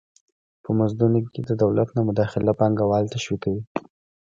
په مزدونو کې د دولت نه مداخله پانګوال تشویقوي.